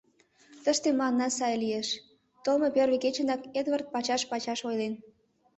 — Тыште мыланна сай лиеш, — толмо первый кечынак Эдвард пачаш-пачаш ойлен.